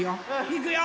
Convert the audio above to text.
いくよ！